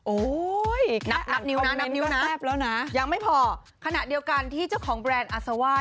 โอ๊ยแค่อันคอมเมนต์ก็แปบแล้วนะยังไม่พอขนาดเดียวกันที่เจ้าของแบรนด์อัซว่า